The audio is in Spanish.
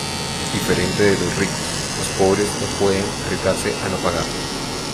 Diferente de los ricos, los pobres no se pueden arriesgar a no pagar.